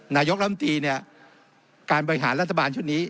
นายกล้ามตีนี่การบริหารรัฐบาลชนิดนี้